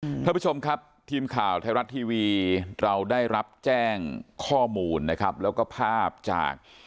ท่านผู้ชมครับทีมข่าวไทยรัฐทีวีเราได้รับแจ้งข้อมูลนะครับแล้วก็ภาพจาก